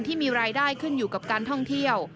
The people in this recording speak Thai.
ที่มีรายได้ขึ้นอยู่กับการท่องเที่ยว